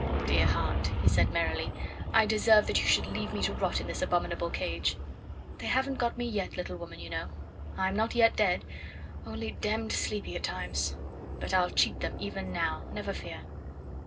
"Dear heart," he said merrily, "I deserve that you should leave me to rot in this abominable cage. They haven't got me yet, little woman, you know; I am not yet dead only d d sleepy at times. But I'll cheat them even now, never fear."